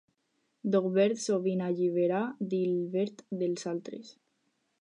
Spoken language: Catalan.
Dogbert sovint allibera Dilbert dels altres.